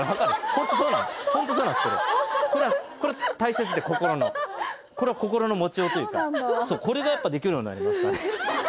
ホントそうなのホントそうなんですけどこれ大切で心のこれは心の持ちようというかそうこれがやっぱできるようになりました